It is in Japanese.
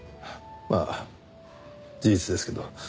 まあ事実ですけど。